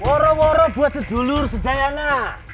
waro waro buat sedulur sedayana